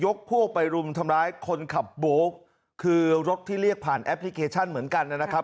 พวกไปรุมทำร้ายคนขับโบ๊คคือรถที่เรียกผ่านแอปพลิเคชันเหมือนกันนะครับ